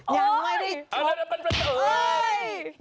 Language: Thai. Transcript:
ยังไม่ได้ชกว้าวอย่างไม่ได้ชกหรอกฮะ